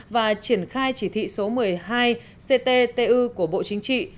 và triển khai chỉ thị số một mươi hai cttu của bộ chính trị